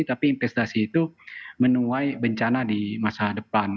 tapi investasi itu menuai bencana di masa depan